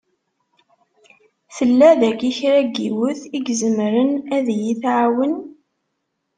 Tella daki kra n yiwet i izemren ad yi-tɛawen?